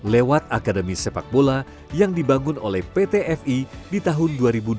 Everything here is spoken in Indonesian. lewat akademi sepak bola yang dibangun oleh pt fi di tahun dua ribu dua puluh